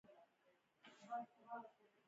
ایا د سینې معاینه مو کړې ده؟